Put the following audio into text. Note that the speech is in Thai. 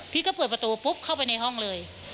พี่ก็เปิดประตูปุ๊บเข้าไปในห้องเลย